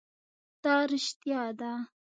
دا رښتيا ده؟